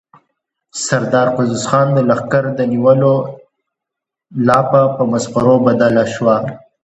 د سردار قدوس خان د سکر د نيولو لاپه په مسخرو بدله شوه.